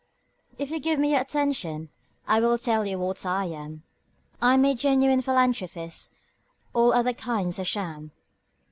If you give me your attention, I will tell you what I am: I'm a genuine philanthropist all other kinds are sham.